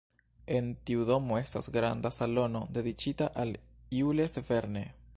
En tiu domo estas granda salono dediĉita al Jules Verne.